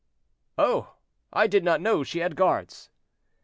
"Oh! I did not know she had guards."